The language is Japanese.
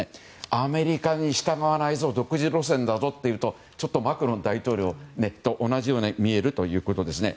アメリカに従わないぞ独自路線だぞというとちょっとマクロン大統領と同じように見えるということですね。